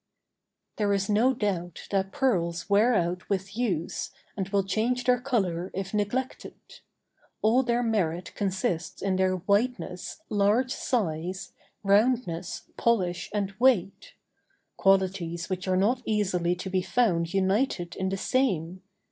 There is no doubt that pearls wear out with use, and will change their color, if neglected. All their merit consists in their whiteness, large size, roundness, polish, and weight; qualities which are not easily to be found united in the same.